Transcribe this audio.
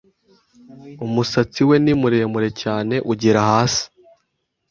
Umusatsi we ni muremure cyane ugera hasi.